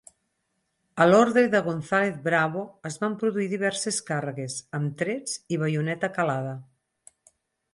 A l'ordre de González Bravo es van produir diverses càrregues, amb trets i baioneta calada.